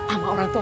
amat orang tuh